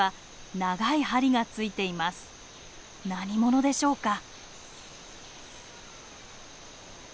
何者でしょうか？